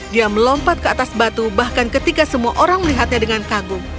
dia melompat ke atas batu bahkan ketika semua orang melihatnya dengan kagum